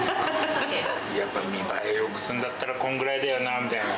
やっぱり見栄えよくするんだったら、こんぐらいだよなみたいな。